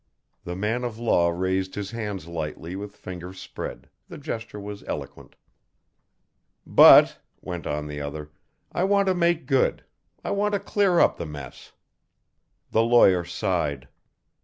The man of law raised his hands lightly with fingers spread, the gesture was eloquent. "But," went on the other, "I want to make good, I want to clear up the mess." The lawyer sighed.